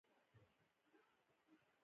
کوتره له خپل ملګري نه نه بېلېږي.